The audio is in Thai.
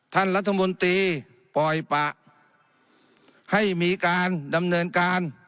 ท่านรัฐมนตรีปล่อยปะให้มีการดำเนินการ